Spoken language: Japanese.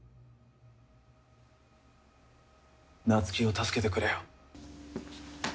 夏希を助けてくれよ。